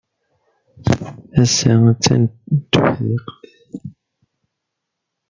Ass-a, attan d tuḥdiqt.